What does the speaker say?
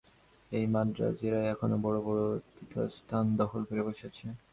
এই মান্দ্রাজীরাই এখনও বড় বড় তীর্থস্থান দখল করে বসে আছে।